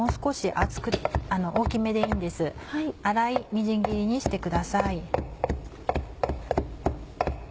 粗いみじん切りにしてください。